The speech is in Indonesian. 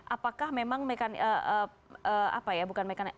apakah memang mekanisme apa ya bukan mekanisme